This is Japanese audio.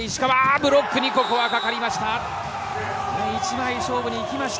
ブロックにかかりました。